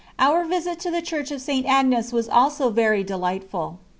Our visit to the Church of St. Agnes was also very delightful.